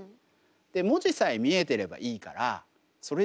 で文字さえ見えてればいいからそれでいい。